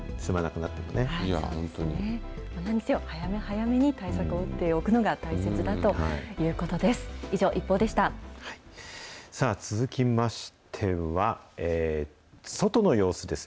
なんにせよ、早め早めに対策を打っておくのが大切だということです。